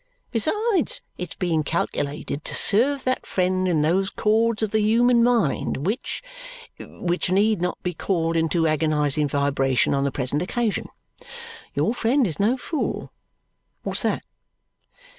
Besides its being calculated to serve that friend in those chords of the human mind which which need not be called into agonizing vibration on the present occasion your friend is no fool. What's that?"